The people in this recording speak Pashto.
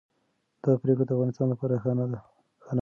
دا پریکړه د افغانستان لپاره ښه نه وه.